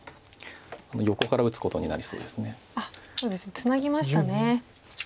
ツナぎましたね。